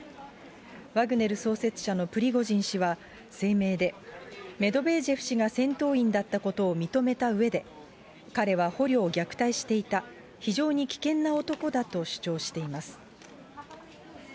ワグネル創設者のプリゴジン氏は、声明で、メドベージェフ氏が戦闘員だったことを認めたうえで、彼は捕虜を虐待していた、非常に危険な男だと主張しています。